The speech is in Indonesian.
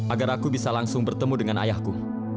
agar aku bisa langsung bertemu dengan ayahku